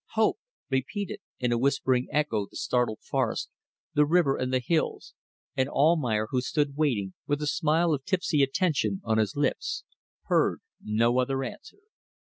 "Hope," repeated in a whispering echo the startled forests, the river and the hills; and Almayer, who stood waiting, with a smile of tipsy attention on his lips, heard no other answer.